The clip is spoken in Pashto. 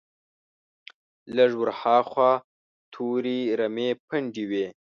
لږ ور هاخوا تورې رمې پنډې وې.